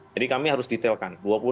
jadi kami harus detailkan